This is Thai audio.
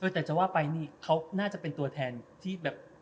แต่จะว่าไปนี่เขาน่าจะเป็นตัวแทนที่แบบ